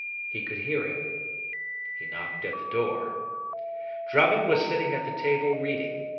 He could hear him. He knocked at the door. Drummond was sitting at the table reading.